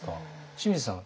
清水さん